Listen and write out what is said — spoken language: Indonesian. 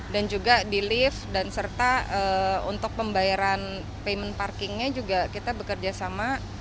dan juga di lift dan serta untuk pembayaran payment parkingnya juga kita bekerja sama